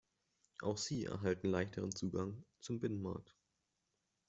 Auch sie erhalten leichteren Zugang zum Binnenmarkt.